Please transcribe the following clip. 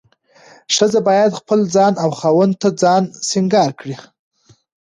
ښځه باید خپل ځان او خاوند ته ځان سينګار کړي.